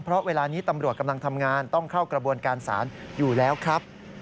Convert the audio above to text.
เพราะเวลานี้ตำรวจกำลังทำงานต้องเข้ากระบวนการศาลอยู่แล้วครับ